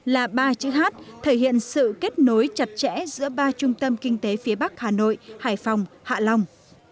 là ba chữ hát thể hiện sự kết nối chặt chẽ giữa ba trung tâm kinh tế phía bắc hà nội hải phòng hạ long